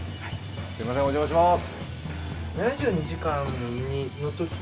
すいませんお邪魔します。